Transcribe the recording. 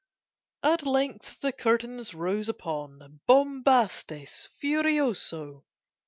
At length the curtain rose upon 'Bombastes Furioso.